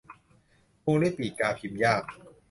วงเล็บปีกกาพิมพ์ยาก